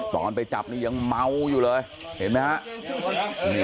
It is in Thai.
ตอนไปจับนี่ยังเมาอยู่เลยเห็นไหมฮะ